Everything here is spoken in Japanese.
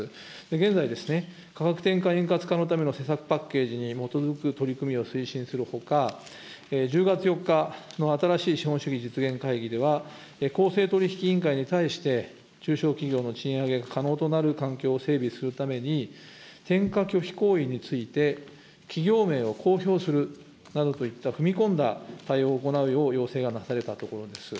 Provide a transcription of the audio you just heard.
現在、価格転嫁円滑化のための施策パッケージに基づく取り組みを推進するほか、１０月４日の新しい資本主義実現会議では、公正取引委員会に対して、中小企業の賃上げが可能となる環境を整備するために、転嫁拒否行為について企業名を公表するなどといった踏み込んだ対応を行うよう要請がなされたところです。